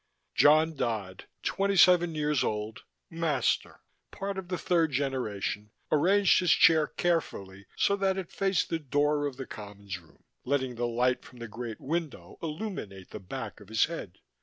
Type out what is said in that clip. John Dodd, twenty seven years old, master, part of the third generation, arranged his chair carefully so that it faced the door of the Commons Room, letting the light from the great window illumine the back of his head.